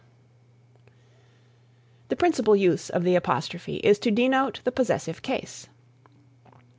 The principal use of the apostrophe is to denote the possessive case.